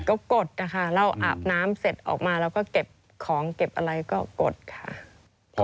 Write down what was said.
ก็กดนะคะเราอาบน้ำเสร็จออกมาเราก็เก็บของเก็บอะไรก็กดค่ะ